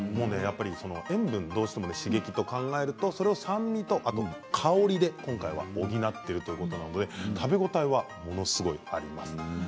塩分どうしても刺激と考えるとそれを酸味とあと香りで今回は補っているということなので食べ応えはものすごいあります。